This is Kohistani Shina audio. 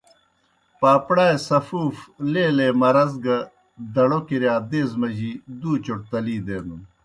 پاپڑائے سفوف لیلے مرض گہ دڑو کِرِیا دیزہ مجی دُوْ چوْٹ تلی دینَن۔